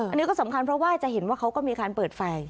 อันนี้ก็สำคัญเพราะว่าจะเห็นว่าเขาก็มีการเปิดไฟ